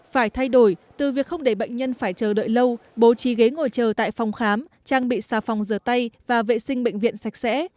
phải thay đổi từ việc không để bệnh nhân phải chờ đợi lâu bố trí ghế ngồi chờ tại phòng khám trang bị xà phòng rửa tay và vệ sinh bệnh viện sạch sẽ